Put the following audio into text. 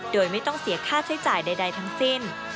โดยไม่ต้องเสียค่าใช้จ่ายใดทั้งสิ้น